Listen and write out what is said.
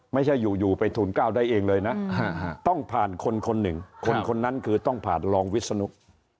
ไม่ใช่อยู่ไปทูล๙ได้เองเลยนะต้องผ่านคนคนหนึ่งคนคนนั้นคือต้องผ่านรองวิศนุ